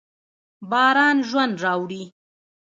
باران ژوند راوړي.